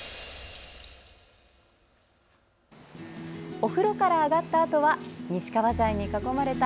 お風呂から上がったあとは西川材に囲まれた